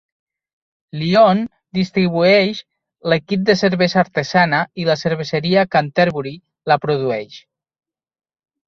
Lion distribueix l'equip de cervesa artesana i la cerveseria Canterbury la produeix.